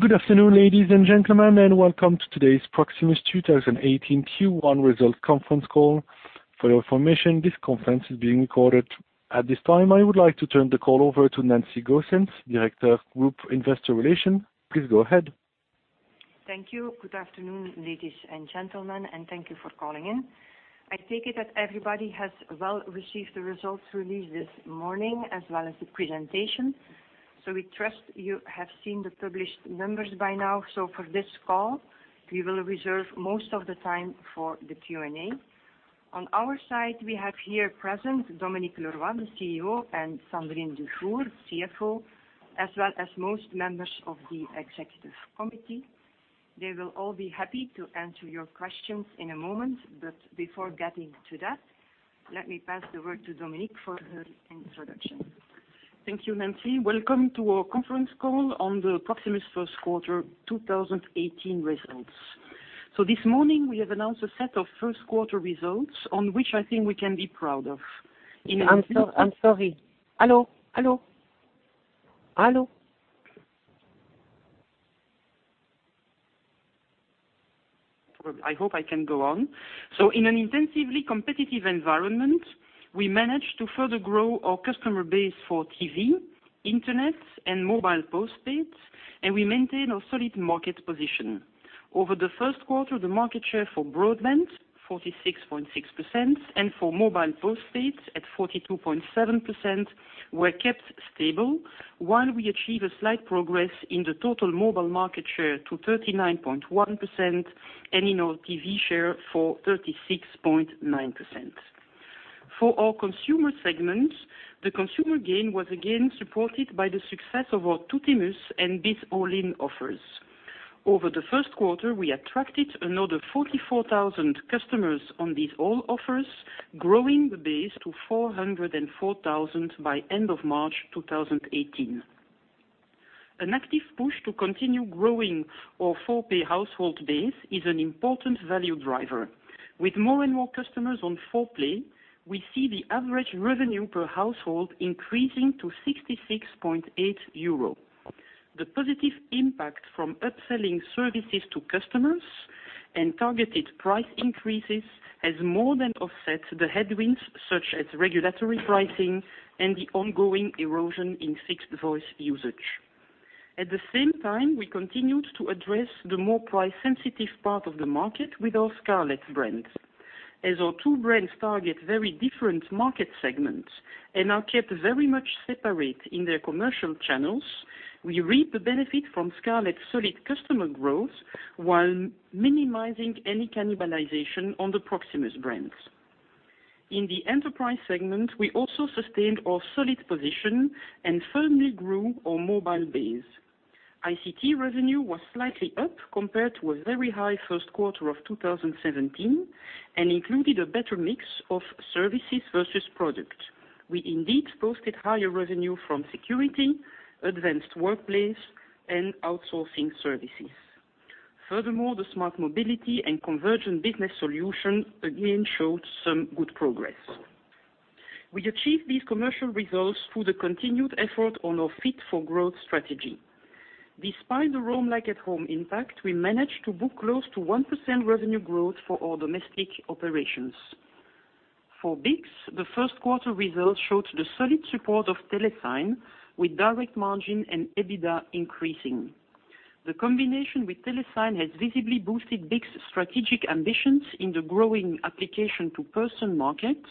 Good afternoon, ladies and gentlemen, welcome to today's Proximus 2018 Q1 result conference call. For your information, this conference is being recorded. At this time, I would like to turn the call over to Nancy Goossens, Director of Group Investor Relations. Please go ahead. Thank you. Good afternoon, ladies and gentlemen, thank you for calling in. I take it that everybody has received the results released this morning as well as the presentation. We trust you have seen the published numbers by now. For this call, we will reserve most of the time for the Q&A. On our side, we have here present Dominique Leroy, the CEO, and Sandrine Dufour, CFO, as well as most members of the executive committee. They will all be happy to answer your questions in a moment, before getting to that, let me pass the word to Dominique for her introduction. Thank you, Nancy. Welcome to our conference call on the Proximus first quarter 2018 results. This morning, we have announced a set of first-quarter results on which I think we can be proud of. I'm sorry. Hello? Hello. I hope I can go on. In an intensively competitive environment, we managed to further grow our customer base for TV, internet, and mobile postpaid, and we maintain our solid market position. Over the first quarter, the market share for broadband, 46.6%, and for mobile postpaid at 42.7%, were kept stable. While we achieve a slight progress in the total mobile market share to 39.1% and in our TV share for 36.9%. For our consumer segment, the consumer gain was again supported by the success of our Tuttimus and Bizz All-in offers. Over the first quarter, we attracted another 44,000 customers on these Bizz All-in offers, growing the base to 404,000 by end of March 2018. An active push to continue growing our 4-play household base is an important value driver. With more and more customers on 4-play, we see the average revenue per household increasing to 66.8 euros. The positive impact from upselling services to customers and targeted price increases has more than offset the headwinds, such as regulatory pricing and the ongoing erosion in fixed voice usage. At the same time, we continued to address the more price-sensitive part of the market with our Scarlet brand. As our two brands target very different market segments and are kept very much separate in their commercial channels, we reap the benefit from Scarlet's solid customer growth while minimizing any cannibalization on the Proximus brands. In the enterprise segment, we also sustained our solid position and firmly grew our mobile base. ICT revenue was slightly up compared to a very high first quarter of 2017 and included a better mix of services versus product. We indeed posted higher revenue from security, advanced workplace, and outsourcing services. Furthermore, the smart mobility and convergent business solution again showed some good progress. We achieved these commercial results through the continued effort on our Fit for Growth strategy. Despite the roam like at home impact, we managed to book close to 1% revenue growth for our domestic operations. For BICS, the first quarter results showed the solid support of Telesign, with direct margin and EBITDA increasing. The combination with Telesign has visibly boosted BICS' strategic ambitions in the growing application-to-person market,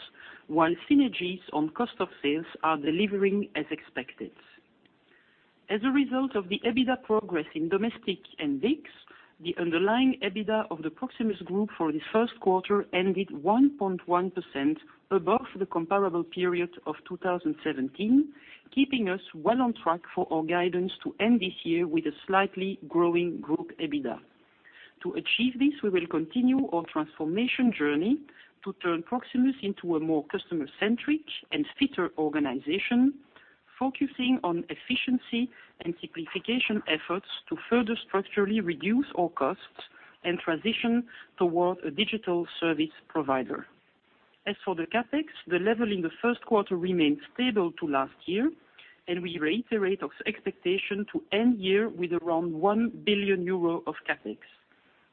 while synergies on cost of sales are delivering as expected. As a result of the EBITDA progress in domestic and BICS, the underlying EBITDA of the Proximus group for the first quarter ended 1.1% above the comparable period of 2017, keeping us well on track for our guidance to end this year with a slightly growing group EBITDA. To achieve this, we will continue our transformation journey to turn Proximus into a more customer-centric and fitter organization, focusing on efficiency and simplification efforts to further structurally reduce our costs and transition toward a digital service provider. As for the CapEx, the level in the first quarter remained stable to last year, and we reiterate our expectation to end the year with around 1 billion euro of CapEx.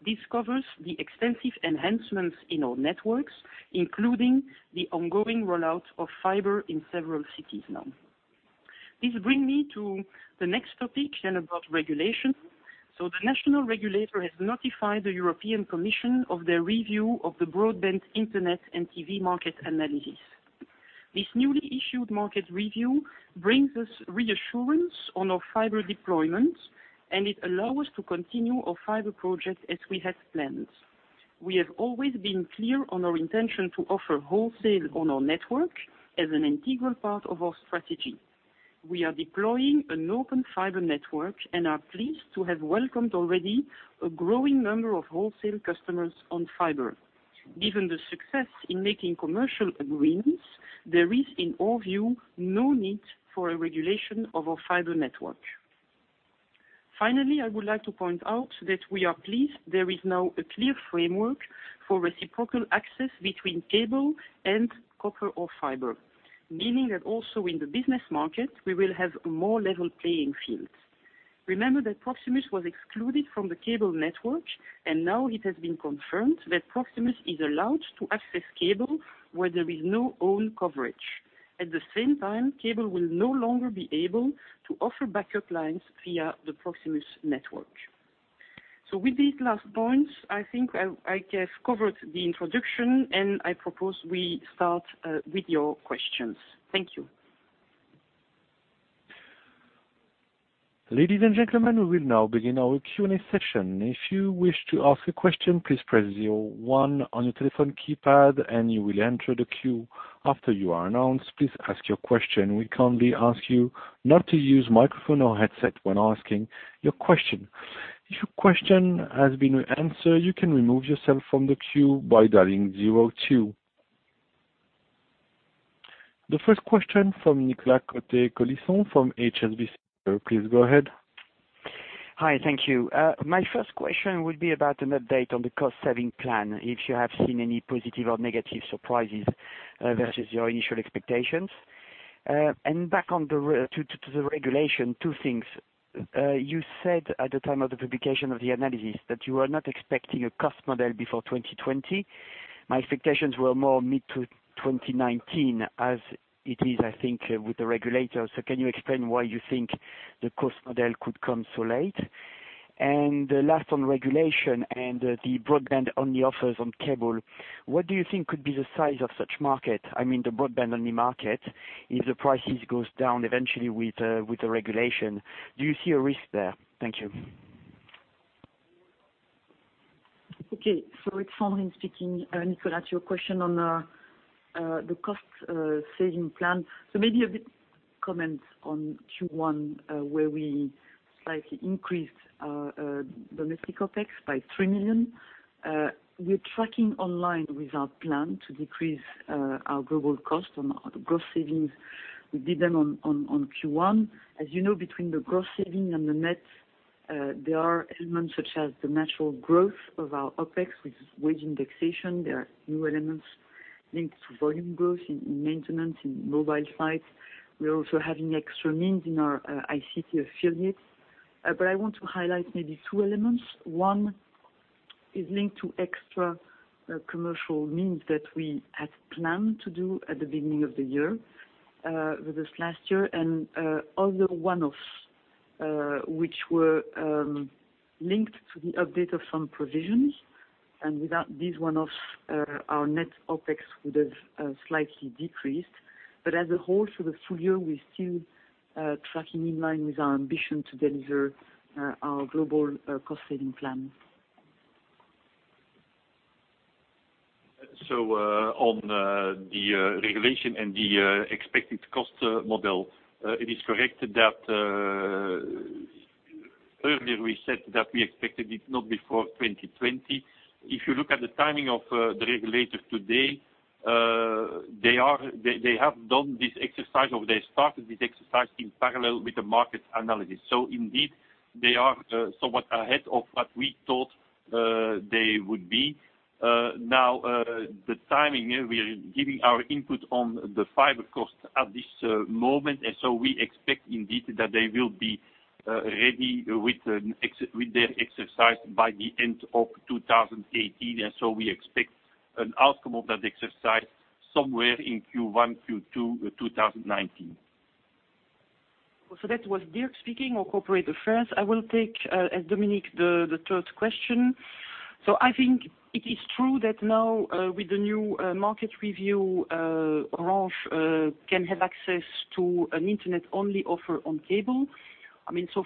This covers the extensive enhancements in our networks, including the ongoing rollout of fiber in several cities now. This brings me to the next topic about regulation. The national regulator has notified the European Commission of their review of the broadband internet and TV market analysis. This newly issued market review brings us reassurance on our fiber deployment, and it allows us to continue our fiber project as we had planned. We have always been clear on our intention to offer wholesale on our network as an integral part of our strategy. We are deploying an open fiber network and are pleased to have welcomed already a growing number of wholesale customers on fiber. Given the success in making commercial agreements, there is, in our view, no need for a regulation of our fiber network. Finally, I would like to point out that we are pleased there is now a clear framework for reciprocal access between cable and copper or fiber. Meaning that also in the business market, we will have a more level playing field. Remember that Proximus was excluded from the cable network, and now it has been confirmed that Proximus is allowed to access cable where there is no own coverage. At the same time, cable will no longer be able to offer backup lines via the Proximus network. With these last points, I think I have covered the introduction, and I propose we start with your questions. Thank you. Ladies and gentlemen, we will now begin our Q&A session. If you wish to ask a question, please press 01 on your telephone keypad, and you will enter the queue. After you are announced, please ask your question. We kindly ask you not to use microphone or headset when asking your question. If your question has been answered, you can remove yourself from the queue by dialing 02. The first question from Nicolas Cote-Colisson from HSBC. Please go ahead. Hi. Thank you. My first question would be about an update on the cost-saving plan, if you have seen any positive or negative surprises versus your initial expectations. Back to the regulation, two things. You said at the time of the publication of the analysis that you were not expecting a cost model before 2020. My expectations were more mid-2019, as it is, I think, with the regulators. Can you explain why you think the cost model could come so late? Last on regulation and the broadband-only offers on cable, what do you think could be the size of such market? I mean the broadband-only market, if the prices goes down eventually with the regulation. Do you see a risk there? Thank you. Sandrine speaking. Nicolas, your question on the cost-saving plan. Maybe a bit comment on Q1, where we slightly increased our domestic OpEx by 3 million. We're tracking online with our plan to decrease our global cost on our gross savings. We did them on Q1. As you know, between the gross saving and the net, there are elements such as the natural growth of our OpEx with wage indexation. There are new elements linked to volume growth in maintenance, in mobile sites. We're also having extra means in our ICT affiliates. I want to highlight maybe two elements. One is linked to extra commercial means that we had planned to do at the beginning of the year, with this last year, and other one-offs which were linked to the update of some provisions. Without these one-offs, our net OpEx would have slightly decreased. As a whole for the full year, we're still tracking in line with our ambition to deliver our global cost-saving plan. On the regulation and the expected cost model, it is correct that earlier we said that we expected it not before 2020. If you look at the timing of the regulators today, they have done this exercise, or they started this exercise in parallel with the market analysis. Indeed, they are somewhat ahead of what we thought they would be. Now, the timing, we are giving our input on the fiber cost at this moment, we expect indeed that they will be ready with their exercise by the end of 2018. We expect an outcome of that exercise somewhere in Q1, Q2 2019. That was Dirk speaking on corporate affairs. I will take, as Dominique, the third question. I think it is true that now with the new market review, Orange Belgium can have access to an internet-only offer on cable.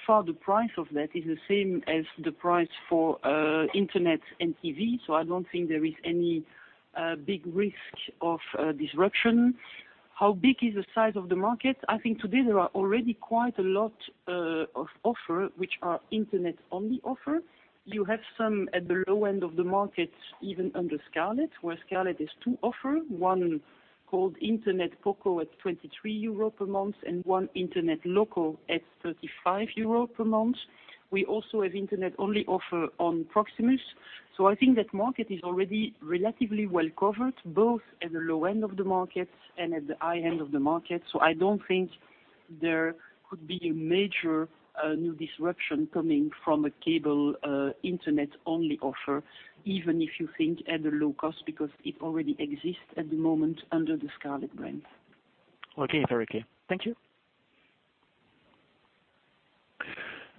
Far the price of that is the same as the price for internet and TV, so I don't think there is any big risk of disruption. How big is the size of the market? I think today there are already quite a lot of offer which are internet-only offer. You have some at the low end of the market, even under Scarlet, where Scarlet has two offer, one called Internet Poco at 23 euro per month and one Internet Loco at 35 euro per month. We also have internet-only offer on Proximus. I think that market is already relatively well covered, both at the low end of the market and at the high end of the market. I don't think there could be a major new disruption coming from a cable internet-only offer, even if you think at a low cost, because it already exists at the moment under the Scarlet brand. Okay. Very clear. Thank you.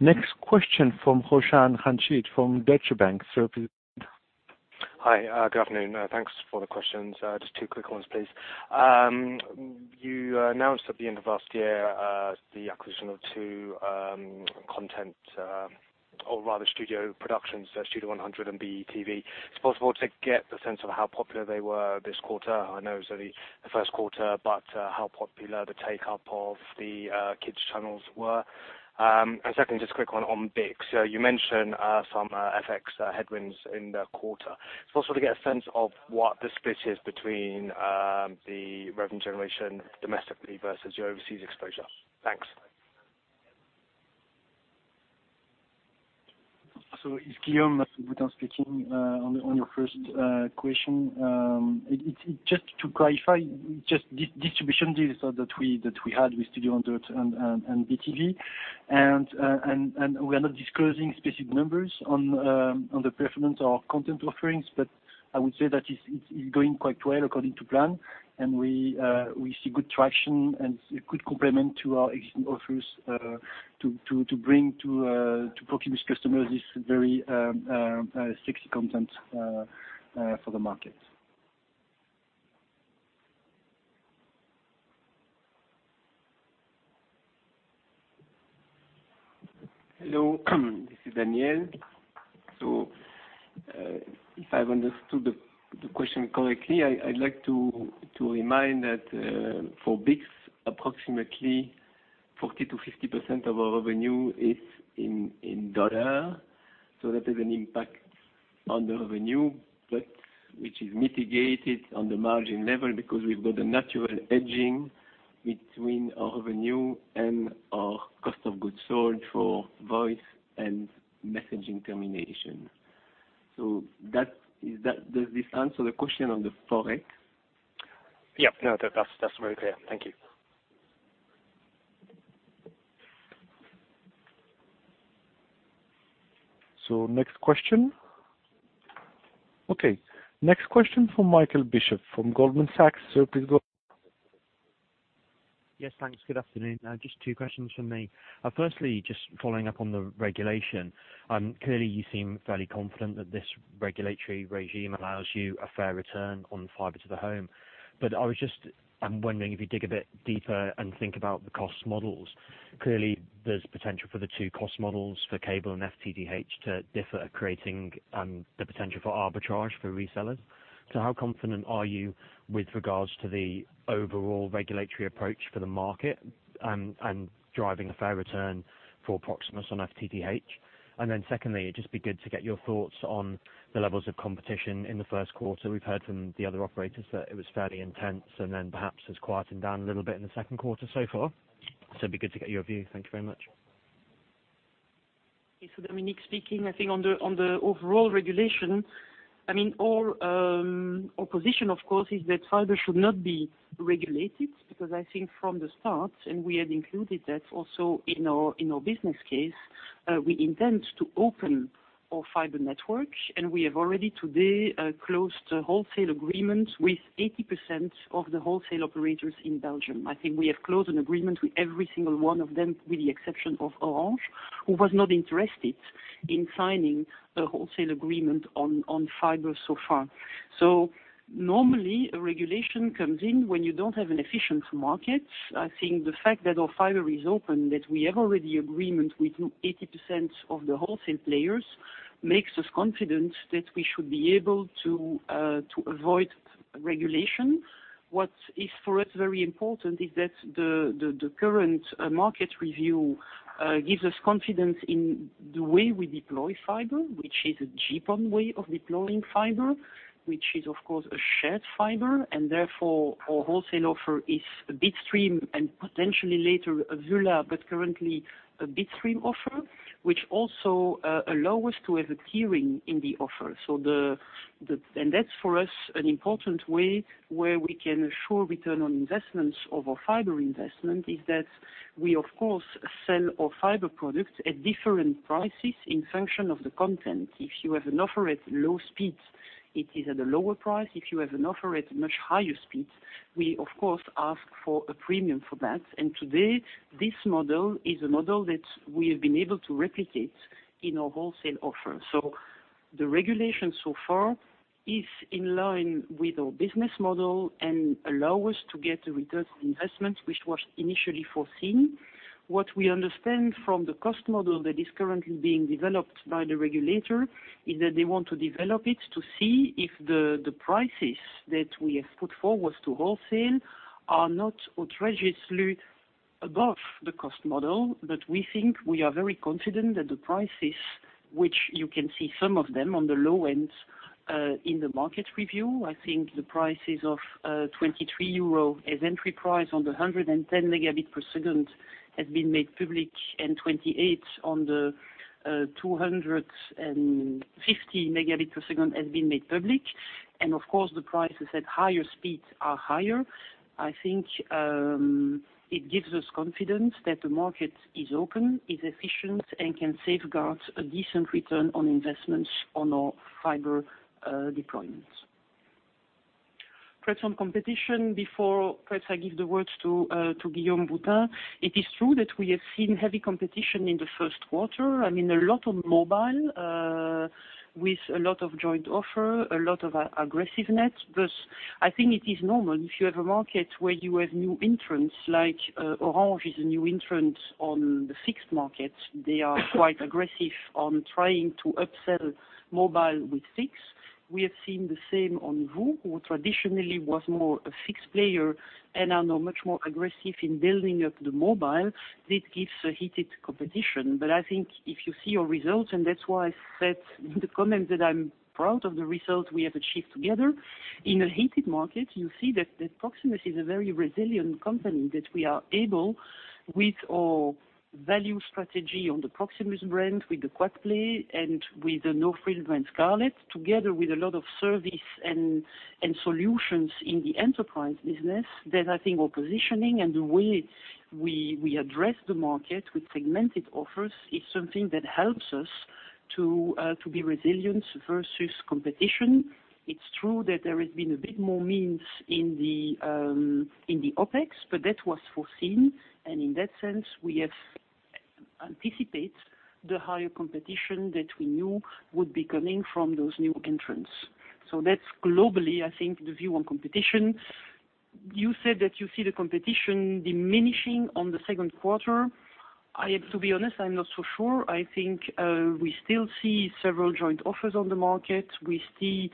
Next question from Roshan Ranjit from Deutsche Bank. Sir, please go ahead. Hi. Good afternoon. Thanks for the questions. Just two quick ones, please. You announced at the end of last year, the acquisition of two content, or rather studio productions, Studio 100 and BeTV. It's possible to get the sense of how popular they were this quarter. I know it's only the first quarter, but how popular the take-up of the kids' channels were. Secondly, just a quick one on BICS. You mentioned some FX headwinds in the quarter. If I were to get a sense of what the split is between the revenue generation domestically versus your overseas exposure. Thanks. It's Guillaume Boutin speaking. On your first question, just to clarify, just distribution deals that we had with Studio 100 and BeTV. We are not disclosing specific numbers on the performance of our content offerings. I would say that it's going quite well according to plan, and we see good traction and a good complement to our existing offers to bring to Proximus customers this very sexy content for the market. Hello. This is Daniel. If I've understood the question correctly, I'd like to remind that for BICS, approximately 40%-50% of our revenue is in dollar. That has an impact on the revenue, but which is mitigated on the margin level because we've got a natural hedging between our revenue and our cost of goods sold for voice and messaging termination. Does this answer the question on the Forex? Yeah. No. That's very clear. Thank you. Next question. Okay, next question from Michael Bishop from Goldman Sachs. Sir, please go. Yes, thanks. Good afternoon. Just two questions from me. Firstly, just following up on the regulation. Clearly, you seem fairly confident that this regulatory regime allows you a fair return on FTTH. I'm wondering if you dig a bit deeper and think about the cost models. Clearly, there's potential for the two cost models for cable and FTTH to differ, creating the potential for arbitrage for resellers. How confident are you with regards to the overall regulatory approach for the market and driving a fair return for Proximus on FTTH? Secondly, it'd just be good to get your thoughts on the levels of competition in the first quarter. We've heard from the other operators that it was fairly intense and then perhaps has quietened down a little bit in the second quarter so far. It'd be good to get your view. Thank you very much. Dominique speaking. I think on the overall regulation, our position, of course, is that fiber should not be regulated because I think from the start, and we had included that also in our business case, we intend to open our fiber network, and we have already today, closed a wholesale agreement with 80% of the wholesale operators in Belgium. I think we have closed an agreement with every single one of them, with the exception of Orange, who was not interested in signing a wholesale agreement on fiber so far. Normally, a regulation comes in when you don't have an efficient market. I think the fact that our fiber is open, that we have already agreement with 80% of the wholesale players, makes us confident that we should be able to avoid regulation. What is for us very important is that the current market review gives us confidence in the way we deploy fiber, which is a GPON way of deploying fiber, which is, of course, a shared fiber, and therefore our wholesale offer is a bitstream and potentially later a VULA, but currently a bitstream offer, which also allow us to have a tiering in the offer. That's for us an important way where we can assure return on investments of our fiber investment is that we, of course, sell our fiber products at different prices in function of the content. If you have an offer at low speeds, it is at a lower price. If you have an offer at much higher speeds, we of course ask for a premium for that. Today, this model is a model that we have been able to replicate in our wholesale offer. The regulation so far is in line with our business model and allow us to get a return on investment, which was initially foreseen. What we understand from the cost model that is currently being developed by the regulator is that they want to develop it to see if the prices that we have put forward to wholesale are not outrageously above the cost model. We think we are very confident that the prices which you can see some of them on the low end, in the market review. I think the prices of 23 euro as entry price on the 110 megabit per second has been made public, and 28 on the 250 megabit per second has been made public. Of course, the prices at higher speeds are higher. I think it gives us confidence that the market is open, is efficient, and can safeguard a decent return on investments on our fiber deployments. Perhaps on competition before, perhaps I give the words to Guillaume Boutin. It is true that we have seen heavy competition in the first quarter. I mean, a lot on mobile, with a lot of joint offer, a lot of aggressiveness. I think it is normal if you have a market where you have new entrants, like Orange is a new entrant on the fixed market. They are quite aggressive on trying to upsell mobile with fixed. We have seen the same on VOO, who traditionally was more a fixed player and are now much more aggressive in building up the mobile. This gives a heated competition. I think if you see our results, and that's why I said in the comment that I'm proud of the results we have achieved together. In a heated market, you see that Proximus is a very resilient company, that we are able, with our value strategy on the Proximus brand, with the quad play, and with the no-frills brand Scarlet, together with a lot of service and solutions in the enterprise business, that I think our positioning and the way we address the market with segmented offers is something that helps us to be resilient versus competition. It's true that there has been a bit more means in the OpEx, but that was foreseen, and in that sense, we have anticipated the higher competition that we knew would be coming from those new entrants. That's globally, I think, the view on competition. You said that you see the competition diminishing on the second quarter. To be honest, I'm not so sure. I think we still see several joint offers on the market. We still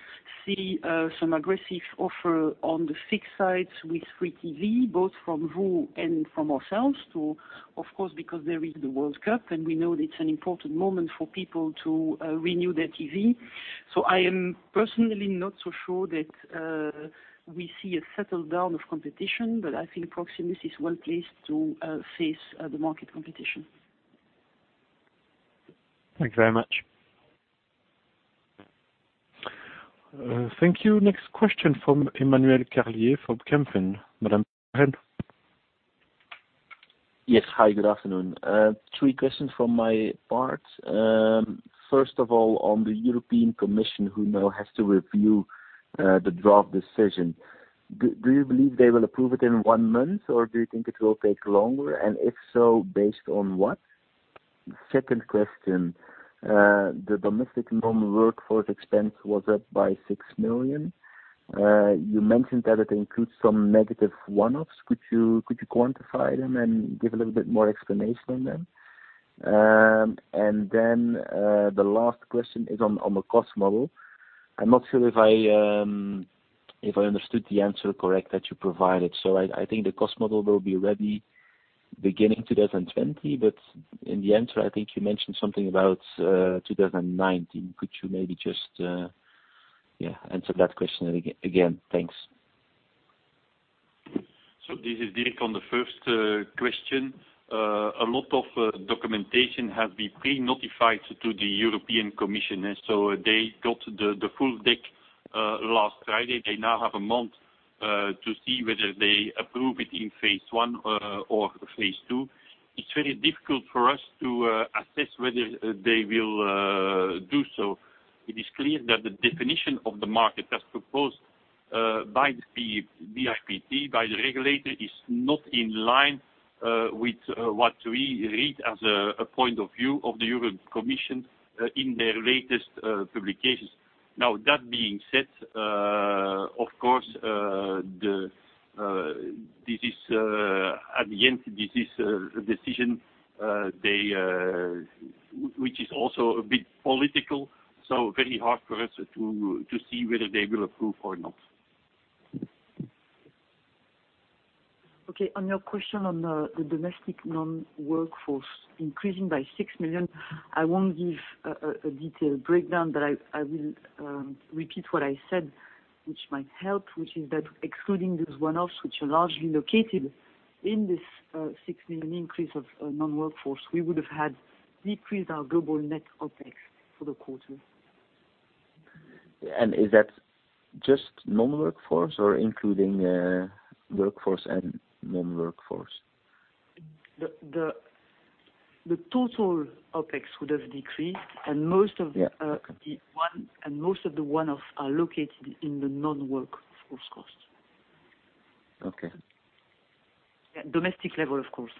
see some aggressive offer on the fixed sides with free TV, both from VOO and from ourselves too, of course, because there is the World Cup, and we know it's an important moment for people to renew their TV. I am personally not so sure that we see a settle down of competition, but I think Proximus is well-placed to face the market competition. Thank you very much. Thank you. Next question from Emmanuel Carlier from Kempen. Madam, go ahead. Yes. Hi, good afternoon. Three questions from my part. First of all, on the European Commission, who now has to review the draft decision. Do you believe they will approve it in one month, or do you think it will take longer? If so, based on what? Second question. The domestic non-workforce expense was up by 6 million. You mentioned that it includes some negative one-offs. Could you quantify them and give a little bit more explanation on them? The last question is on the cost model. I'm not sure if I understood the answer correctly that you provided. I think the cost model will be ready beginning 2020, but in the answer, I think you mentioned something about 2019. Could you maybe just answer that question again? Thanks. This is Dirk. On the first question. A lot of documentation has been pre-notified to the European Commission. They got the full deck last Friday. They now have a month to see whether they approve it in phase one or phase two. It's very difficult for us to assess whether they will do so. It is clear that the definition of the market as proposed by the BIPT, by the regulator, is not in line with what we read as a point of view of the European Commission in their latest publications. That being said, of course, at the end, this is a decision which is also a bit political, so very hard for us to see whether they will approve or not. Okay. On your question on the domestic non-workforce increasing by 6 million, I won't give a detailed breakdown, but I will repeat what I said, which might help, which is that excluding those one-offs, which are largely located in this 6 million increase of non-workforce, we would have had decreased our global net OpEx for the quarter. Is that just non-workforce or including workforce and non-workforce? The total OpEx would have decreased, and most of the one-offs are located in the non-workforce cost. Okay. Domestic level, of course.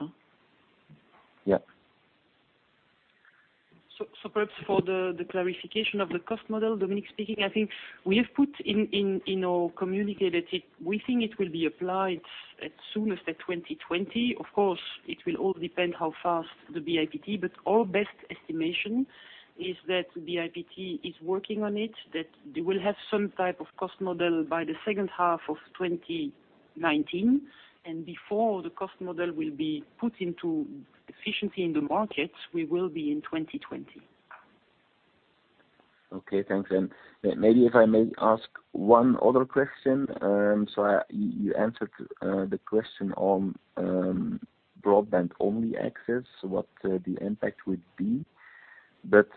Yeah. Perhaps for the clarification of the cost model, Dominique speaking, I think we have put in our communiqué that we think it will be applied as soon as 2020. Of course, it will all depend how fast the BIPT, but our best estimation is that BIPT is working on it, that they will have some type of cost model by the second half of 2019. Before the cost model will be put into efficiency in the market, we will be in 2020. Okay, thanks. Maybe if I may ask one other question. You answered the question on broadband-only access, what the impact would be. Don't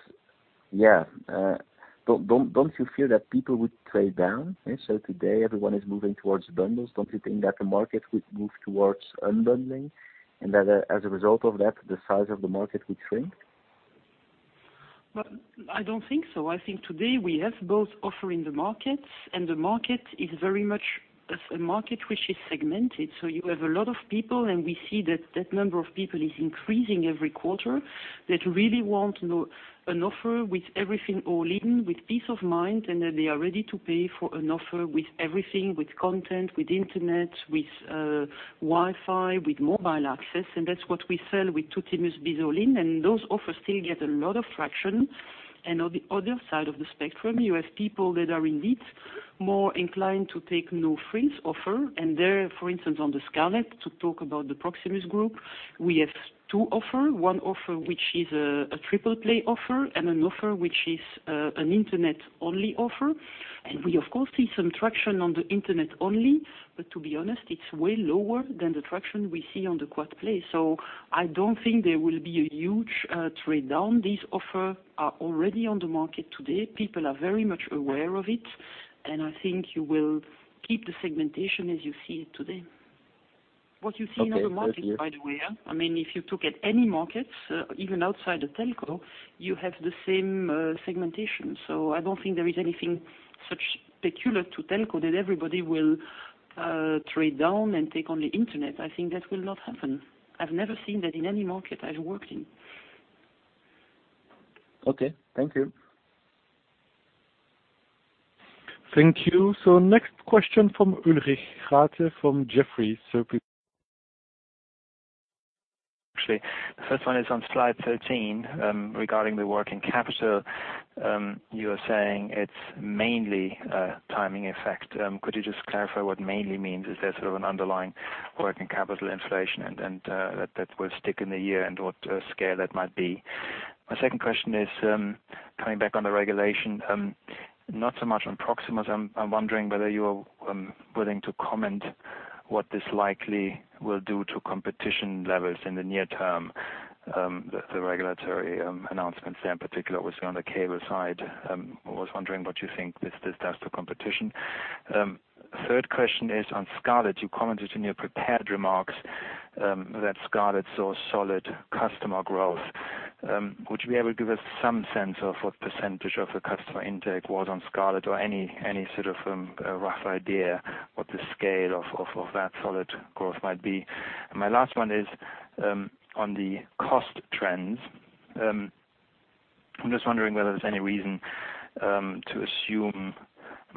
you fear that people would trade down? Today everyone is moving towards bundles. Don't you think that the market would move towards unbundling and that as a result of that, the size of the market would shrink? I don't think so. I think today we have both offering the markets. The market is very much a market which is segmented. You have a lot of people, we see that that number of people is increasing every quarter, that really want an offer with everything all in, with peace of mind, that they are ready to pay for an offer with everything, with content, with internet, with Wi-Fi, with mobile access. That's what we sell with Tuttimus Bizz All-in. Those offers still get a lot of traction. On the other side of the spectrum, you have people that are indeed more inclined to take no-frills offer. There, for instance, on the Scarlet, to talk about the Proximus Group, we have two offer, one offer which is a triple play offer an offer which is an internet-only offer. We of course see some traction on the internet-only, to be honest, it's way lower than the traction we see on the quad play. I don't think there will be a huge trade-down. These offer are already on the market today. People are very much aware of it, I think you will keep the segmentation as you see it today. What you see in other markets, by the way. If you look at any markets, even outside of telco, you have the same segmentation. I don't think there is anything such peculiar to telco that everybody will trade down and take only internet. I think that will not happen. I've never seen that in any market I've worked in. Okay. Thank you. Thank you. Next question from Ulrich Rathe from Jefferies. Please. Actually, the first one is on slide 13, regarding the working capital. You are saying it's mainly a timing effect. Could you just clarify what mainly means? Is there sort of an underlying working capital inflation and that will stick in the year and what scale that might be? My second question is coming back on the regulation. Not so much on Proximus. I'm wondering whether you are willing to comment what this likely will do to competition levels in the near term. The regulatory announcements there in particular, obviously on the cable side. I was wondering what you think this does to competition. Third question is on Scarlet. You commented in your prepared remarks that Scarlet saw solid customer growth. Would you be able to give us some sense of what percentage of the customer intake was on Scarlet or any sort of rough idea what the scale of that solid growth might be? My last one is on the cost trends. I'm just wondering whether there's any reason to assume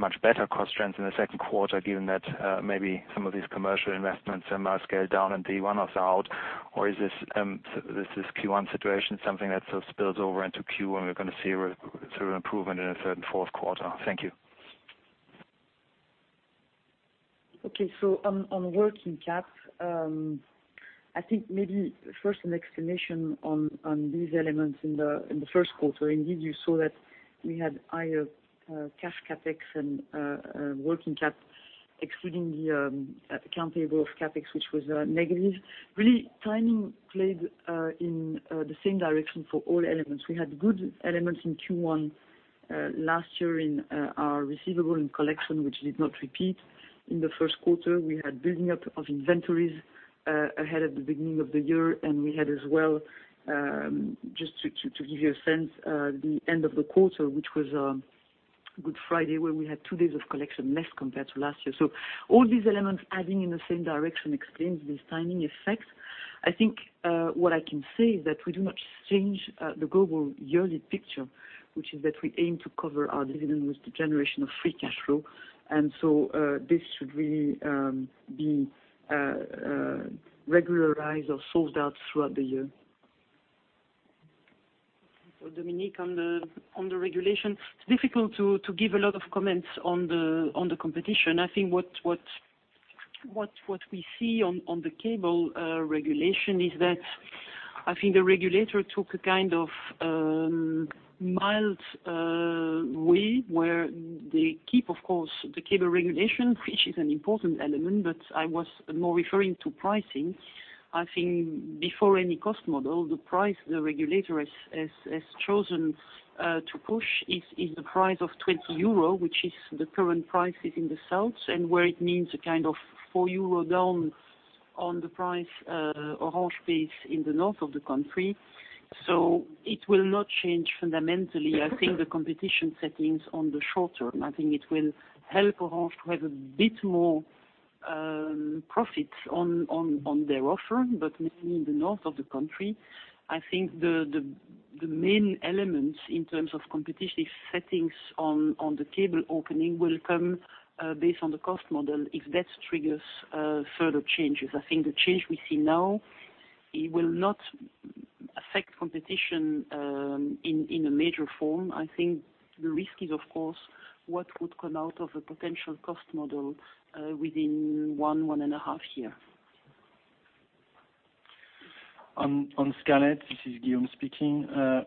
much better cost trends in the second quarter, given that maybe some of these commercial investments are now scaled down and [one-offs are out] are out, or is this Q1 situation something that sort of spills over into Q1, we're going to see through improvement in the third and fourth quarter? Thank you. Okay. On working cap, I think maybe first an explanation on these elements in the first quarter. Indeed, you saw that we had higher cash CapEx and working cap excluding the account payable of CapEx, which was negative. Really timing played in the same direction for all elements. We had good elements in Q1 last year in our receivable and collection, which did not repeat in the first quarter. We had building up of inventories ahead at the beginning of the year, and we had as well, just to give you a sense, the end of the quarter, which was Good Friday, where we had two days of collection less compared to last year. All these elements adding in the same direction explains this timing effect. I think what I can say is that we do not change the global yearly picture, which is that we aim to cover our dividend with the generation of free cash flow, and this should really be regularized or solved out throughout the year. Dominique, on the regulation, it is difficult to give a lot of comments on the competition. I think what we see on the cable regulation is that I think the regulator took a kind of mild way where they keep, of course, the cable regulation, which is an important element, but I was more referring to pricing. I think before any cost model, the price the regulator has chosen to push is the price of 20 euro, which is the current prices in the south, and where it needs a kind of 4 euro down on the price Orange pays in the north of the country. It will not change fundamentally, I think the competition settings on the short term. I think it will help Orange to have a bit more profits on their offer, but mainly in the north of the country. I think the main elements in terms of competition settings on the cable opening will come based on the cost model, if that triggers further changes. I think the change we see now, it will not affect competition in a major form. I think the risk is of course, what would come out of a potential cost model within one and a half year. On Scarlet, this is Guillaume speaking.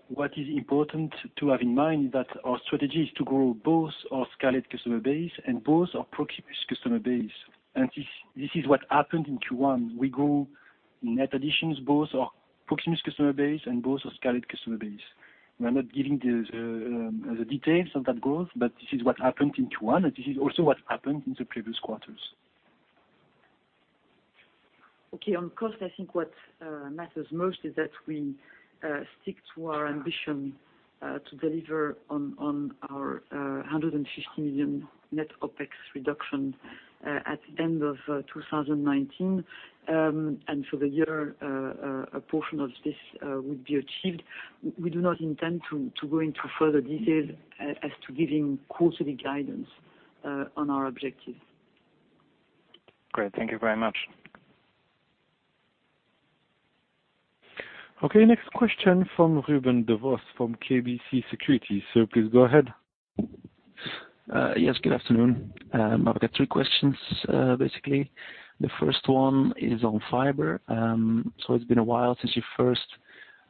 What is important to have in mind that our strategy is to grow both our Scarlet customer base and both our Proximus customer base. This is what happened in Q1. We grew net additions, both our Proximus customer base and both our Scarlet customer base. We are not giving the details of that growth, but this is what happened in Q1, and this is also what happened in the previous quarters. Okay. On cost, I think what matters most is that we stick to our ambition to deliver on our 150 million net OpEx reduction at the end of 2019. For the year, a portion of this will be achieved. We do not intend to go into further details as to giving quarterly guidance on our objectives. Great. Thank you very much. Okay. Next question from Ruben Devos from KBC Securities. Please go ahead. Yes, good afternoon. I've got three questions, basically. The first one is on fiber. It's been a while since you first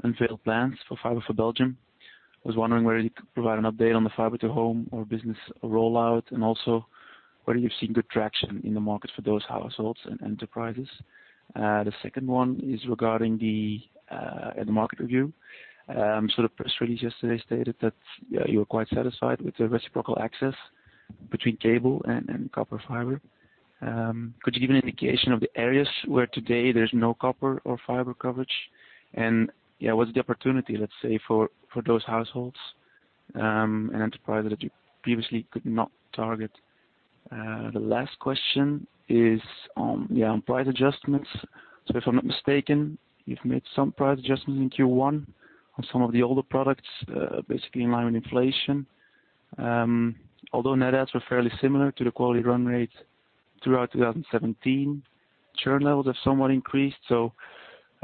unveiled plans for fiber for Belgium. I was wondering whether you could provide an update on the fiber to home or business rollout, and also whether you've seen good traction in the market for those households and enterprises. The second one is regarding the market review. The press release yesterday stated that you were quite satisfied with the reciprocal access between cable and copper fiber. Could you give an indication of the areas where today there's no copper or fiber coverage? What's the opportunity, let's say, for those households and enterprises that you previously could not target? The last question is on price adjustments. If I'm not mistaken, you've made some price adjustments in Q1 on some of the older products, basically in line with inflation. Although net adds were fairly similar to the quality run rate throughout 2017, churn levels have somewhat increased. Would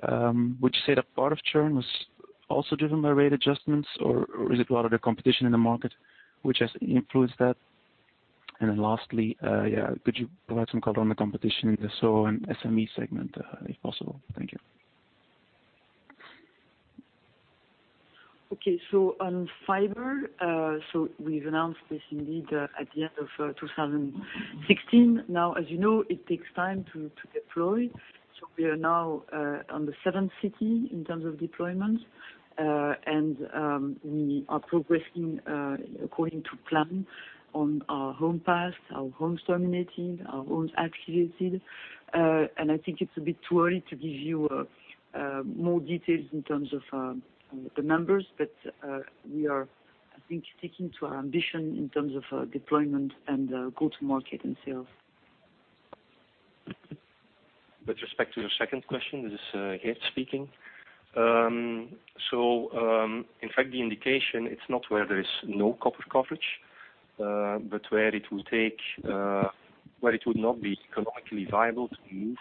you say that part of churn was also driven by rate adjustments, or is it a lot of the competition in the market which has influenced that? Lastly, could you provide some color on the competition in the SOHO and SME segment, if possible? Thank you. Okay. On fiber, we've announced this indeed, at the end of 2016. Now, as you know, it takes time to deploy. We are now on the seventh city in terms of deployment. We are progressing according to plan on our home passed, our homes terminated, our homes activated. I think it's a bit too early to give you more details in terms of the numbers. We are, I think, sticking to our ambition in terms of deployment and go-to-market and sales. With respect to your second question, this is Geert speaking. In fact, the indication it's not where there is no copper coverage, but where it would not be economically viable to move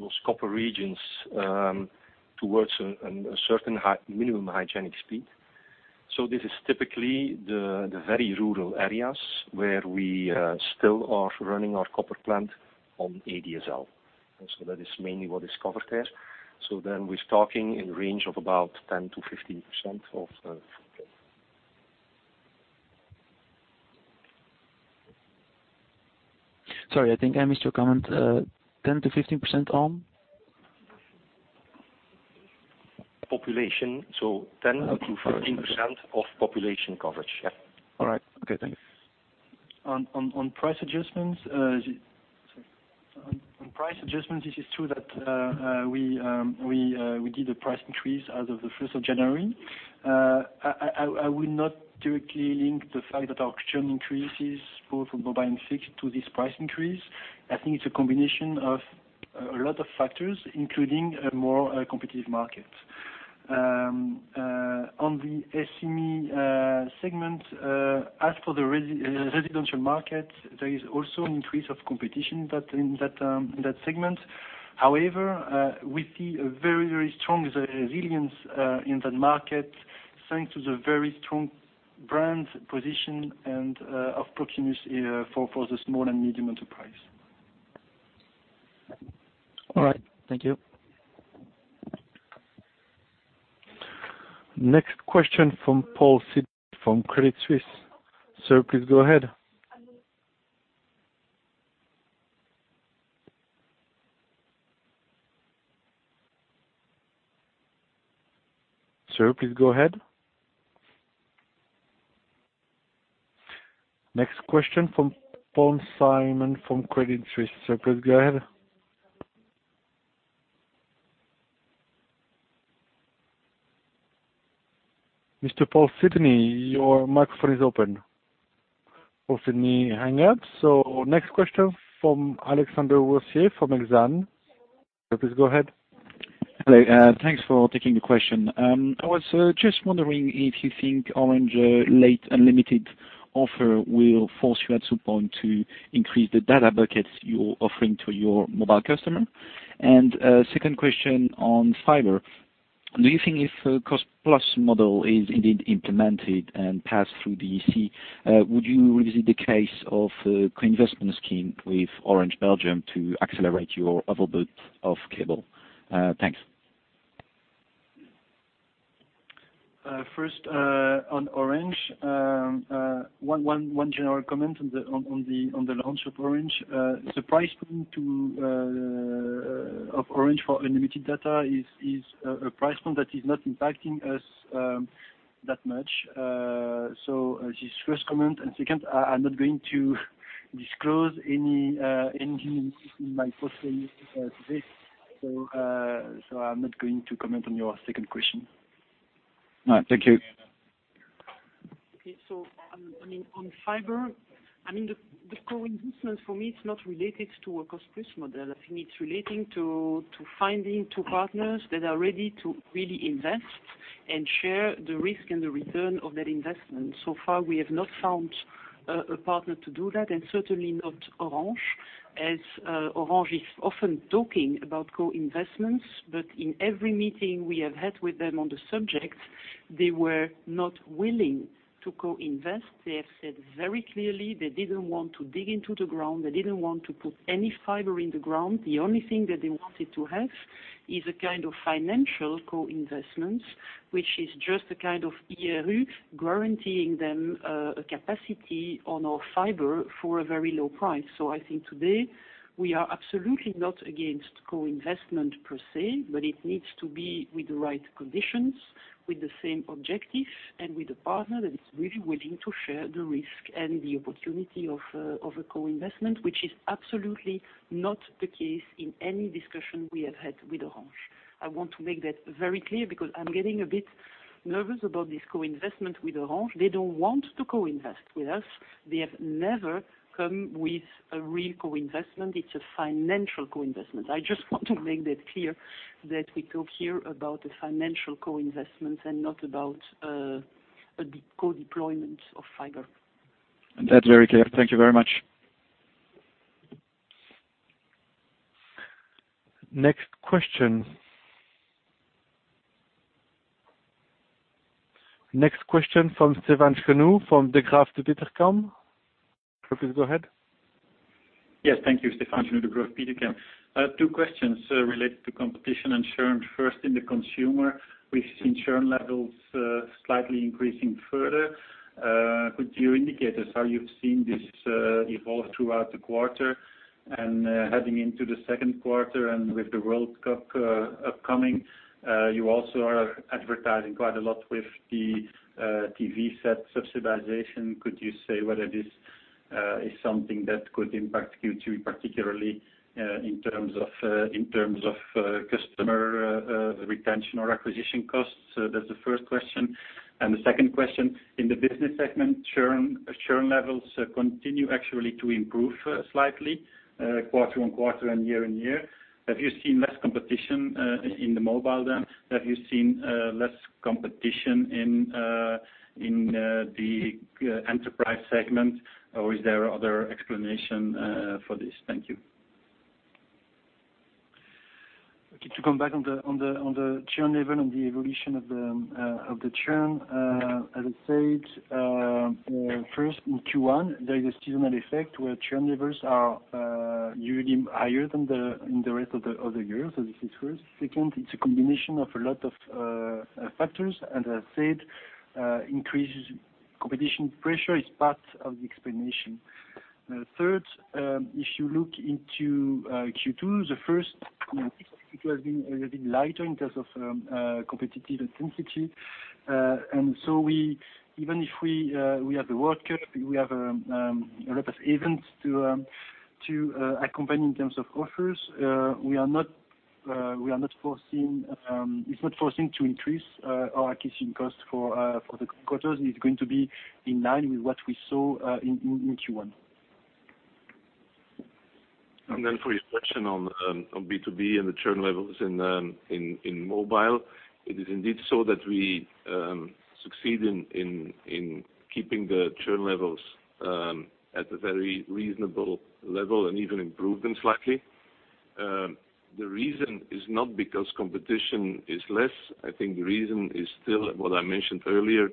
those copper regions towards a certain minimum hygienic speed. This is typically the very rural areas where we still are running our copper plant on ADSL. That is mainly what is covered there. We're talking in range of about 10%-15% of the- Sorry, I think I missed your comment. 10%-15% on? Population. 10%-15% of population coverage. Yeah. All right. Okay, thanks. On price adjustments, this is true that we did a price increase as of the 1st of January. I would not directly link the fact that our churn increases both on mobile and fixed to this price increase. I think it's a combination of a lot of factors, including a more competitive market. On the SME segment, as for the residential market, there is also an increase of competition in that segment. However, we see a very strong resilience in that market thanks to the very strong brand position of Proximus for the small and medium enterprise. All right. Thank you. Next question from Paul Sidney from Credit Suisse. Sir, please go ahead. Next question from Paul Sidney from Credit Suisse. Sir, please go ahead. Mr. Paul Sidney, your microphone is open. Paul Sidney hang up. Next question from Alexandre Rosier from Exane. Sir, please go ahead. Hello. Thanks for taking the question. I was just wondering if you think Orange late unlimited offer will force you at some point to increase the data buckets you're offering to your mobile customer. Second question on fiber. Do you think if cost plus model is indeed implemented and passed through the EC, would you revisit the case of co-investment scheme with Orange Belgium to accelerate your overbuild of cable? Thanks. First, on Orange. One general comment on the launch of Orange. The price point of Orange for unlimited data is a price point that is not impacting us that much. Just first comment, second, I'm not going to disclose anything in my posting today. I'm not going to comment on your second question. All right. Thank you. On fiber, the co-investment for me is not related to a cost-plus model. I think it's relating to finding two partners that are ready to really invest and share the risk and the return of that investment. So far, we have not found a partner to do that, and certainly not Orange, as Orange is often talking about co-investments. In every meeting we have had with them on the subject, they were not willing to co-invest. They have said very clearly they didn't want to dig into the ground. They didn't want to put any fiber in the ground. The only thing that they wanted to have Is a kind of financial co-investments, which is just a kind of IRU guaranteeing them a capacity on our fiber for a very low price. I think today we are absolutely not against co-investment per se, but it needs to be with the right conditions, with the same objective, and with a partner that is really willing to share the risk and the opportunity of a co-investment, which is absolutely not the case in any discussion we have had with Orange. I want to make that very clear because I'm getting a bit nervous about this co-investment with Orange. They don't want to co-invest with us. They have never come with a real co-investment. It's a financial co-investment. I just want to make that clear that we talk here about a financial co-investment and not about a co-deployment of fiber. That's very clear. Thank you very much. Next question. Next question from Stephan Chenu from Degroof Petercam. Please go ahead. Yes. Thank you. Stephan Chenu, Degroof Petercam. Two questions related to competition and churn. First, in the consumer, we've seen churn levels slightly increasing further. Could you indicate us how you've seen this evolve throughout the quarter and heading into the second quarter and with the World Cup upcoming? You also are advertising quite a lot with the TV set subsidization. Could you say whether this is something that could impact Q2, particularly in terms of customer retention or acquisition costs? That's the first question. The second question, in the business segment, churn levels continue actually to improve slightly quarter-on-quarter and year-on-year. Have you seen less competition in the mobile then? Have you seen less competition in the enterprise segment or is there other explanation for this? Thank you. Okay. To come back on the churn level and the evolution of the churn. As I said, first in Q1, there is a seasonal effect where churn levels are usually higher than the rest of the year. This is first. Second, it's a combination of a lot of factors, and as I said, increased competition pressure is part of the explanation. Third, if you look into Q2, the first quarter has been a little bit lighter in terms of competitive intensity. Even if we have the World Cup, we have a lot of events to accompany in terms of offers. It's not foreseen to increase our acquisition cost for the quarters, and it's going to be in line with what we saw in Q1. For your question on B2B and the churn levels in mobile, it is indeed so that we succeed in keeping the churn levels at a very reasonable level and even improve them slightly. The reason is not because competition is less. I think the reason is still what I mentioned earlier,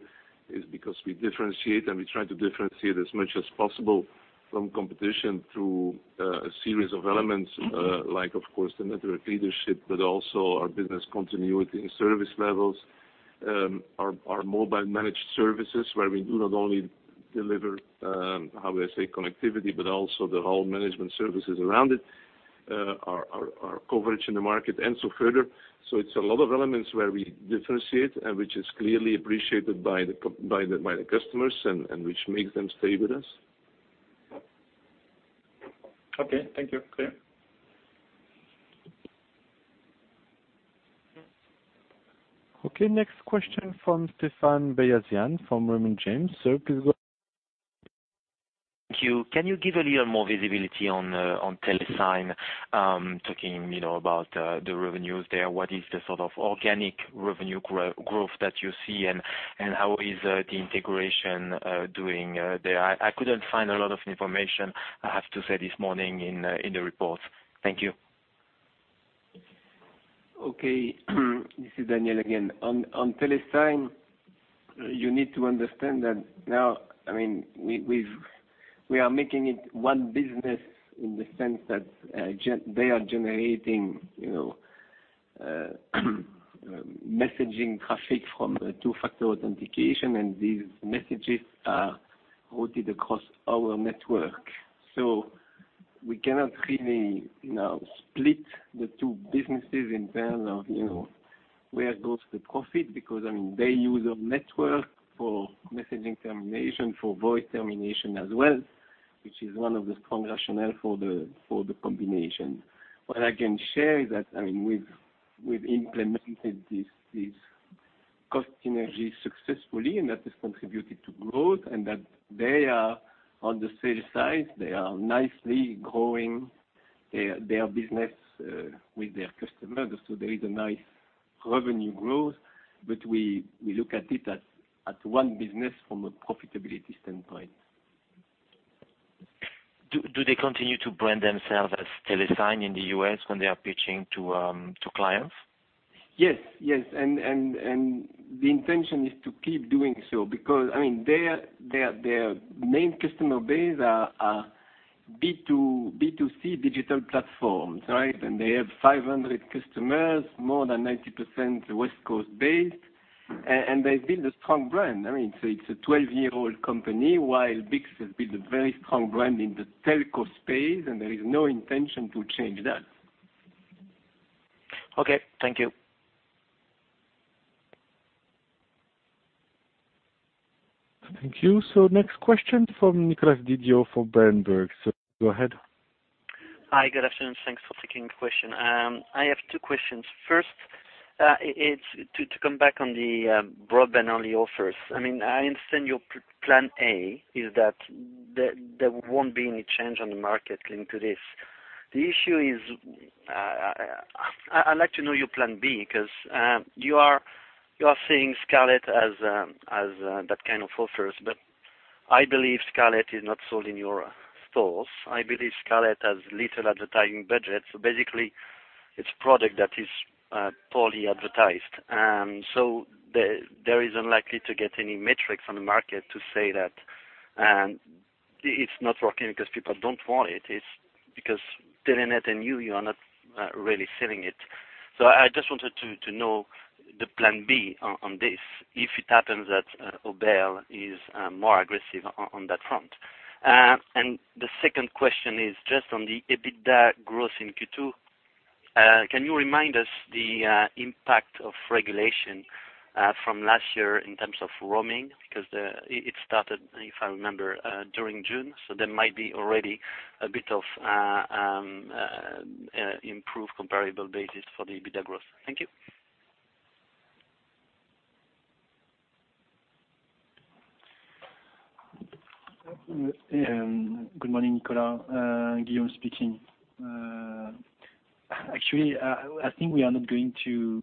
is because we differentiate and we try to differentiate as much as possible from competition through a series of elements like, of course, the network leadership, but also our business continuity and service levels, our mobile managed services, where we do not only deliver how we say connectivity, but also the whole management services around it, our coverage in the market, and so further. It's a lot of elements where we differentiate and which is clearly appreciated by the customers and which makes them stay with us. Okay. Thank you. Clear. Okay. Next question from Stephane Beyazian from Raymond James. Sir, please go ahead. Thank you. Can you give a little more visibility on Telesign? Talking about the revenues there, what is the sort of organic revenue growth that you see and how is the integration doing there? I couldn't find a lot of information, I have to say, this morning in the report. Thank you. Okay. This is Daniel again. On TeleSign, you need to understand that now, we are making it one business in the sense that they are generating messaging traffic from the two-factor authentication, these messages are routed across our network. We cannot really split the two businesses in terms of where goes the profit, because they use our network for messaging termination, for voice termination as well, which is one of the strong rationale for the combination. What I can share is that we've implemented these cost synergies successfully, that has contributed to growth, that they are on the sales side. They are nicely growing their business with their customers. There is a nice revenue growth. We look at it as one business from a profitability standpoint. Do they continue to brand themselves as TeleSign in the U.S. when they are pitching to clients? Yes. The intention is to keep doing so, because their main customer base are B2C digital platforms. They have 500 customers, more than 90% West Coast-based. They've built a strong brand. It's a 12-year-old company, while BICS has built a very strong brand in the telco space, and there is no intention to change that. Okay. Thank you. Thank you. Next question from Nicolas Didio for Berenberg. Go ahead. Hi, good afternoon. Thanks for taking the question. I have two questions. First, to come back on the broadband-only offers. I understand your plan A is that there won't be any change on the market linked to this. The issue is, I'd like to know your plan B, because you are seeing Scarlet as that kind of offers, but I believe Scarlet is not sold in your stores. I believe Scarlet has little advertising budget. Basically, it's a product that is poorly advertised. There is unlikely to get any metrics on the market to say that it's not working because people don't want it. It's because Telenet and you are not really selling it. I just wanted to know the plan B on this, if it happens that Orange is more aggressive on that front. The second question is just on the EBITDA growth in Q2. Can you remind us the impact of regulation from last year in terms of roaming? It started, if I remember, during June, there might be already a bit of improved comparable basis for the EBITDA growth. Thank you. Good morning, Nicolas. Guillaume speaking. I think we are not going to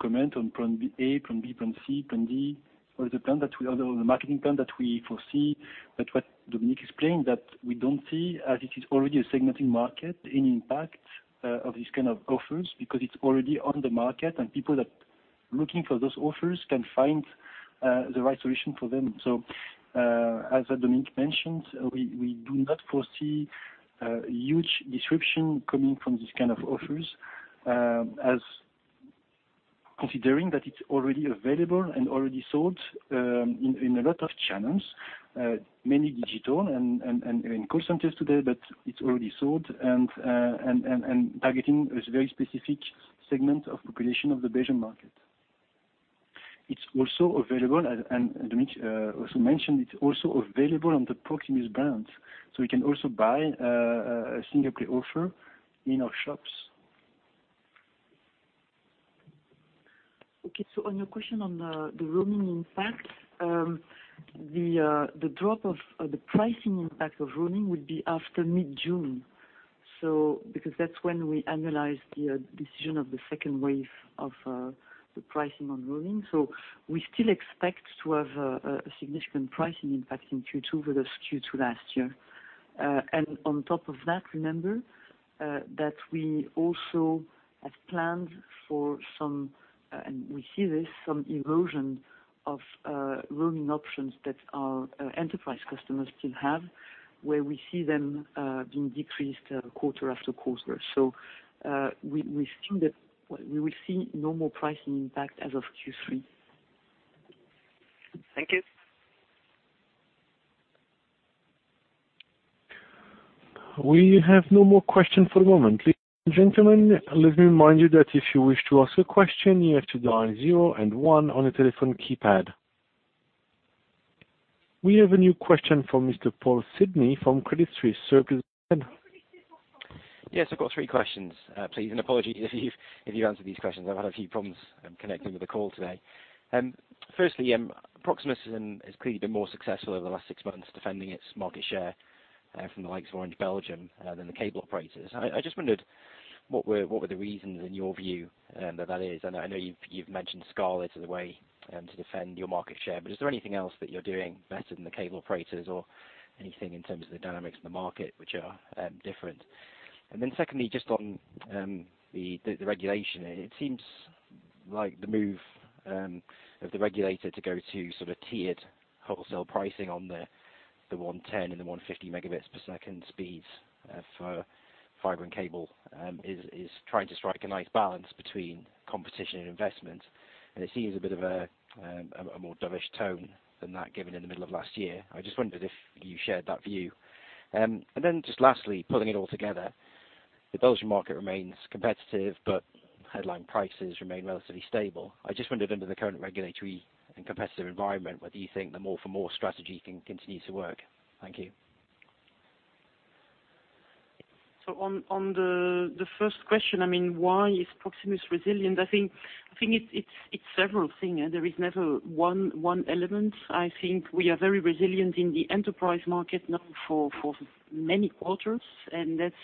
comment on plan A, plan B, plan C, plan D, or the marketing plan that we foresee. What Dominique explained, that we don't see, as it is already a segmented market, any impact of this kind of offers because it's already on the market and people that are looking for those offers can find the right solution for them. As Dominique mentioned, we do not foresee a huge disruption coming from this kind of offers, considering that it's already available and already sold in a lot of channels, mainly digital and in call centers today, but it's already sold and targeting a very specific segment of population of the Belgian market. It's also available, and Dominique also mentioned, it's also available on the Proximus brand. We can also buy a single-play offer in our shops. On your question on the roaming impact. The pricing impact of roaming would be after mid-June. That's when we analyze the decision of the second wave of the pricing on roaming. We still expect to have a significant pricing impact in Q2 versus Q2 last year. On top of that, remember that we also have planned for some, and we see this, some erosion of roaming options that our enterprise customers still have, where we see them being decreased quarter after quarter. We will see no more pricing impact as of Q3. Thank you. We have no more questions for the moment. Ladies and gentlemen, let me remind you that if you wish to ask a question, you have to dial zero and one on your telephone keypad. We have a new question from Mr. Paul Sidney from Credit Suisse. Sir, please go ahead. Yes, I've got three questions, please. Apologies if you've answered these questions. I've had a few problems connecting with the call today. Firstly, Proximus has clearly been more successful over the last six months defending its market share from the likes of Orange Belgium than the cable operators. I just wondered what were the reasons in your view that is? I know you've mentioned Scarlet as a way to defend your market share, but is there anything else that you're doing better than the cable operators or anything in terms of the dynamics in the market which are different? Secondly, just on the regulation. It seems like the move of the regulator to go to tiered wholesale pricing on the 110 and 150 megabits per second speeds for fiber and cable is trying to strike a nice balance between competition and investment. It seems a bit of a more dovish tone than that given in the middle of last year. I just wondered if you shared that view. Lastly, pulling it all together, the Belgian market remains competitive, but headline prices remain relatively stable. I just wondered under the current regulatory and competitive environment, whether you think the more for more strategy can continue to work. Thank you. On the first question, why is Proximus resilient? I think it's several things. There is never one element. I think we are very resilient in the enterprise market now for many quarters, and that's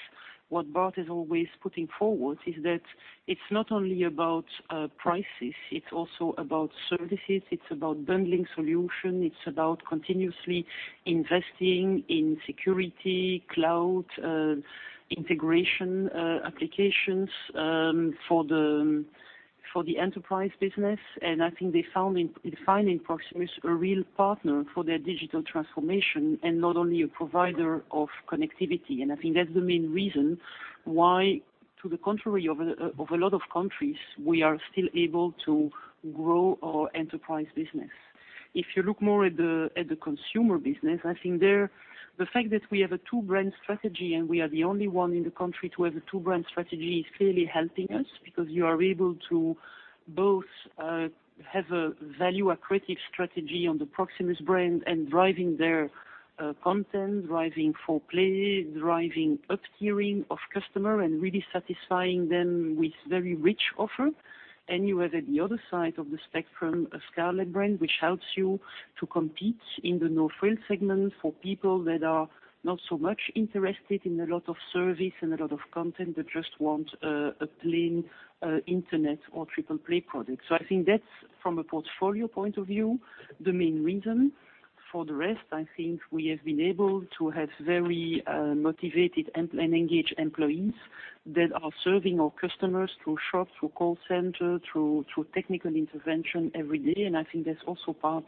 what Bart is always putting forward, is that it's not only about prices, it's also about services, it's about bundling solutions, it's about continuously investing in security, cloud integration applications for the enterprise business, and I think they find in Proximus a real partner for their digital transformation and not only a provider of connectivity. I think that's the main reason why, to the contrary of a lot of countries, we are still able to grow our enterprise business. If you look more at the consumer business, I think there, the fact that we have a two-brand strategy and we are the only one in the country to have a two-brand strategy is clearly helping us because you are able to both have a value-accretive strategy on the Proximus brand and driving their content, driving 4-play, driving up-tiering of customer and really satisfying them with very rich offer. You have at the other side of the spectrum, a Scarlet brand which helps you to compete in the no-frill segment for people that are not so much interested in a lot of service and a lot of content, that just want a plain internet or triple play product. I think that's, from a portfolio point of view, the main reason. For the rest, I think we have been able to have very motivated and engaged employees that are serving our customers through shop, through call center, through technical intervention every day. I think that's also part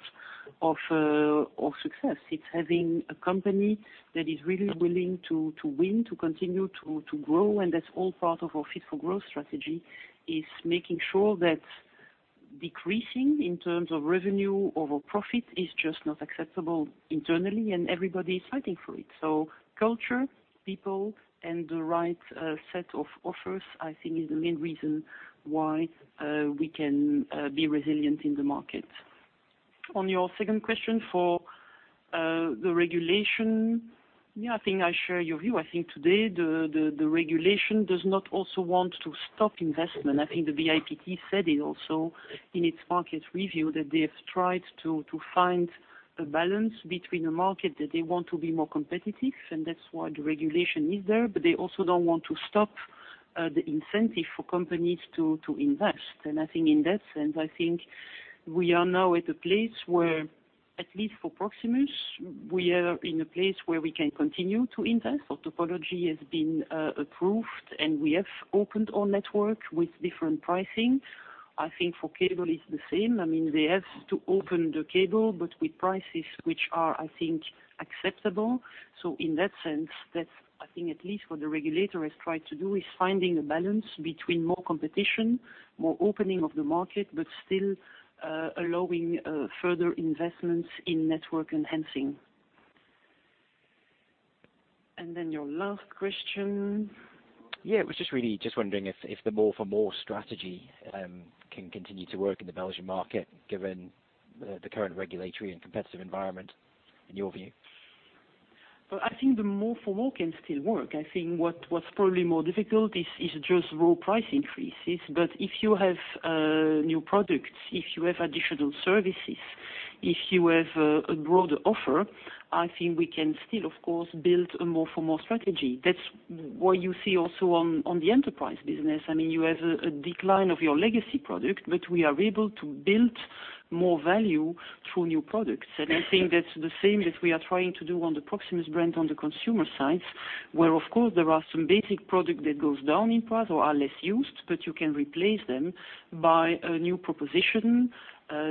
of our success. It's having a company that is really willing to win, to continue to grow. That's all part of our Fit for Growth strategy, is making sure that decreasing in terms of revenue over profit is just not acceptable internally and everybody is fighting for it. Culture, people, and the right set of offers, I think is the main reason why we can be resilient in the market. On your second question for the regulation. Yeah, I think I share your view. I think today the regulation does not also want to stop investment. I think the BIPT said it also in its market review that they have tried to find a balance between a market that they want to be more competitive, and that's why the regulation is there, but they also don't want to stop the incentive for companies to invest. I think in that sense, I think we are now at a place where, at least for Proximus, we are in a place where we can continue to invest. Our topology has been approved, and we have opened our network with different pricing. I think for cable it's the same. They have to open the cable, but with prices which are, I think, acceptable. In that sense, that's I think at least what the regulator has tried to do, is finding a balance between more competition, more opening of the market, but still allowing further investments in network enhancing. Your last question. Yeah, it was just really wondering if the more for more strategy can continue to work in the Belgian market given the current regulatory and competitive environment in your view. Well, I think the more for more can still work. I think what's probably more difficult is just raw price increases. If you have new products, if you have additional services, if you have a broader offer, I think we can still, of course, build a more for more strategy. That's what you see also on the enterprise business. You have a decline of your legacy product, we are able to build more value through new products. I think that's the same that we are trying to do on the Proximus brand on the consumer side, where of course there are some basic product that goes down in price or are less used, you can replace them by a new proposition,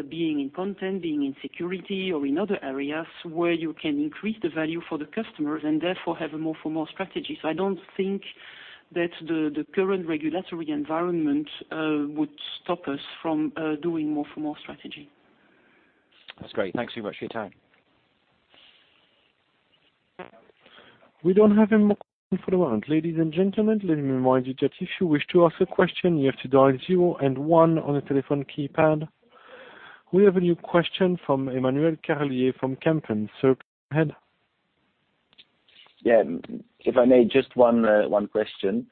being in content, being in security or in other areas where you can increase the value for the customers and therefore have a more for more strategy. I don't think that the current regulatory environment would stop us from doing more for more strategy. That's great. Thanks very much for your time. We don't have any more for the moment. Ladies and gentlemen, let me remind you that if you wish to ask a question, you have to dial 0 and 1 on your telephone keypad. We have a new question from Emmanuel Carlier from Kempen. Sir, go ahead. Yeah. If I may, just one question.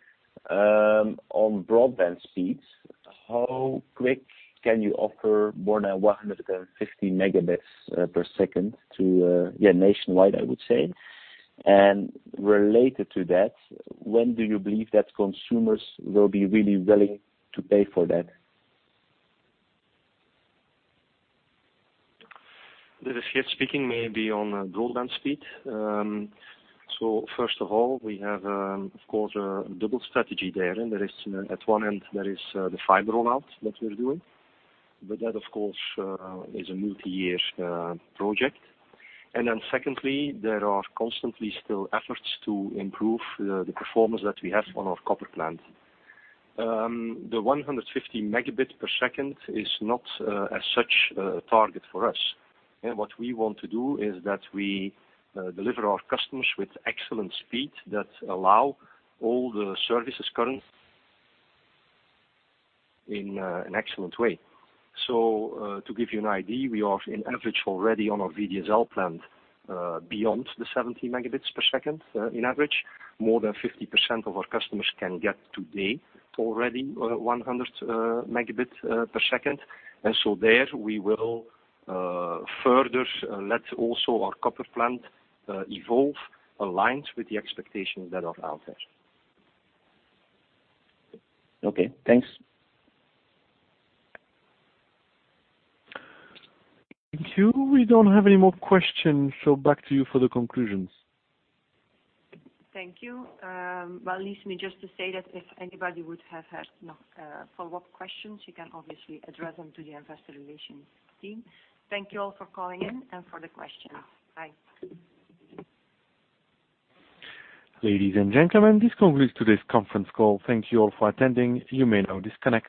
On broadband speeds, how quick can you offer more than 150 megabits per second to nationwide, I would say? Related to that, when do you believe that consumers will be really willing to pay for that? This is Geert speaking. Maybe on broadband speed. First of all, we have, of course, a double strategy there. At one end, there is the fiber rollout that we're doing. That, of course, is a multi-year project. Secondly, there are constantly still efforts to improve the performance that we have on our copper plant. The 150 megabits per second is not as such a target for us. What we want to do is that we deliver our customers with excellent speed that allow all the services current in an excellent way. To give you an idea, we are in average already on our VDSL plant, beyond the 70 megabits per second in average. More than 50% of our customers can get today already 100 megabits per second. There we will further let also our copper plant evolve, aligned with the expectations that are out there. Okay, thanks. Thank you. We don't have any more questions, so back to you for the conclusions. Thank you. Well, leaves me just to say that if anybody would have had follow-up questions, you can obviously address them to the investor relations team. Thank you all for calling in and for the questions. Bye. Ladies and gentlemen, this concludes today's conference call. Thank you all for attending. You may now disconnect.